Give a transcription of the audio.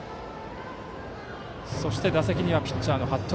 そして打席はピッチャーの服部。